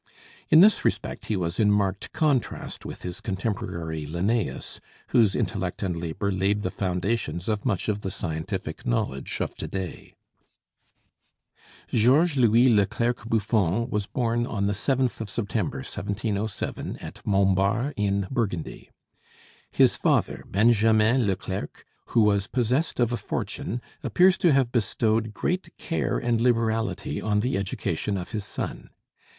In this respect he was in marked contrast with his contemporary Linnæus, whose intellect and labor laid the foundations of much of the scientific knowledge of to day. [ILLUSTRATION: BUFFON] George Louis le Clerc Buffon was born on the 7th of September, 1707, at Montbar, in Burgundy. His father, Benjamin le Clerc, who was possessed of a fortune, appears to have bestowed great care and liberality on the education of his son.